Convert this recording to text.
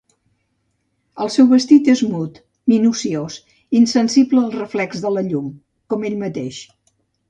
El seu vestit és mut, minuciós, insensible al reflex de la llum, com ell mateix.